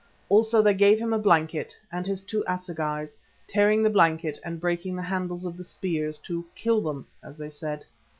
Also they gave him a blanket and his two assegais, tearing the blanket and breaking the handles of the spears, to "kill" them as they said.